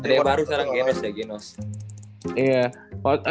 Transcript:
dia baru sekarang genos ya